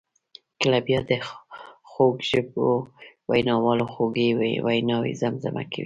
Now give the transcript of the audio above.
کله بیا د خوږ ژبو ویناوالو خوږې ویناوي زمزمه کوي.